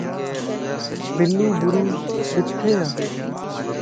بلو بُروش ڪٿي ءَ ؟